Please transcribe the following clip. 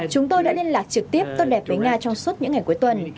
chúng tôi đã liên lạc trực tiếp tốt đẹp với nga trong suốt những ngày cuối tuần